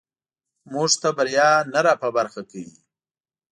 موږ ته بریا نه راپه برخه کوي.